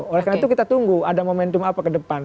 oleh karena itu kita tunggu ada momentum apa ke depan